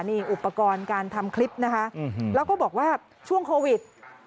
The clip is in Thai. นี่อุปกรณ์การทำคลิปนะคะแล้วก็บอกว่าช่วงโควิด